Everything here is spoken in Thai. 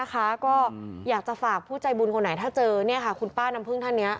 ก็อยากจะฝากผู้ใจบุญคนไหนถ้าเจอคุณป้าน้ำพึ่งท่านนี้